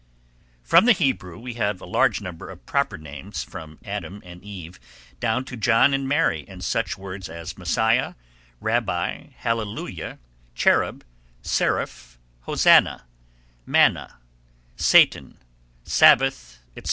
From the Hebrew we have a large number of proper names from Adam and Eve down to John and Mary and such words as Messiah, rabbi, hallelujah, cherub, seraph, hosanna, manna, satan, Sabbath, etc.